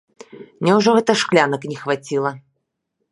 Няўжо гэта шклянак не хваціла?